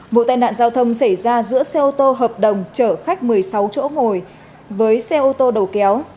vụ tai nạn giao thông xảy ra giữa xe ô tô hợp đồng chở khách một mươi sáu chỗ ngồi với xe ô tô đầu kéo